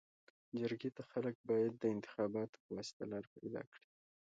جرګي ته خلک باید د انتخاباتو پواسطه لار پيداکړي.